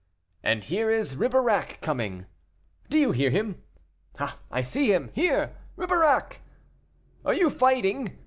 "And here is Ribeirac coming." "Do you hear him?" "I see him. Here, Ribeirac!" "Are you fighting?"